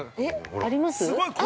◆あります？